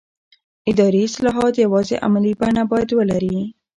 اداري اصلاحات یوازې عملي بڼه باید ولري